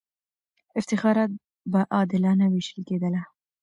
افتخارات به عادلانه وېشل کېدله.